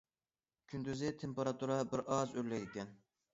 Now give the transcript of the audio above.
كۈندۈزى تېمپېراتۇرا بىر ئاز ئۆرلەيدىكەن.